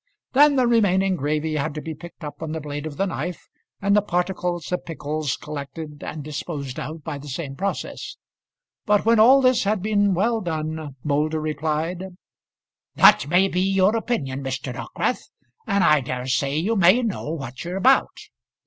Then the remaining gravy had to be picked up on the blade of the knife, and the particles of pickles collected and disposed of by the same process. But when all this had been well done, Moulder replied "That may be your opinion, Mr. Dockwrath, and I dare say you may know what you're about."